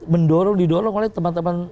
mendorong didorong oleh teman teman